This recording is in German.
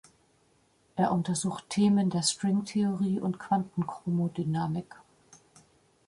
Er untersucht Themen der Stringtheorie und Quantenchromodynamik.